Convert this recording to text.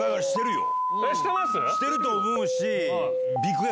してると思うし。